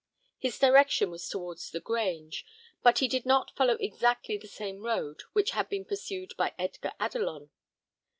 His direction was towards the Grange, but he did not follow exactly the same road which had been pursued by Edgar Adelon.